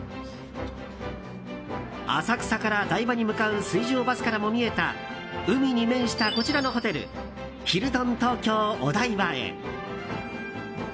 浅草から台場に向かう水上バスからも見えた海に面したこちらのホテルヒルトン東京お台場へ。